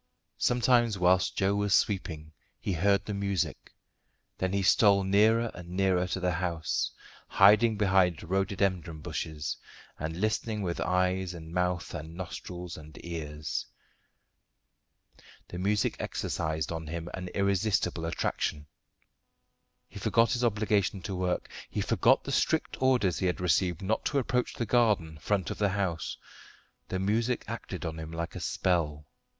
Sometimes whilst Joe was sweeping he heard the music; then he stole nearer and nearer to the house, hiding behind rhododendron bushes, and listening with eyes and mouth and nostrils and ears. The music exercised on him an irresistible attraction. He forgot his obligation to work; he forgot the strict orders he had received not to approach the garden front of the house. The music acted on him like a spell.